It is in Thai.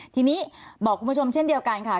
ทีนี้บอกคุณผู้ชมเช่นเดียวกันค่ะ